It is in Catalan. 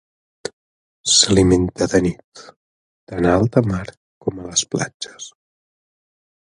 S'alimenta de nit, tant a alta mar com a les platges.